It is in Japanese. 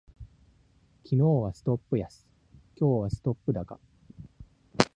昨日はストップ安、今日はストップ高